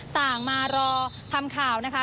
มารอทำข่าวนะคะ